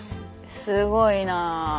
すごいな。